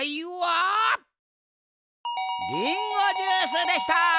リンゴジュースでした。